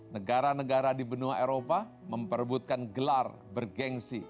negara negara di benua eropa memperbutkan gelar bergensi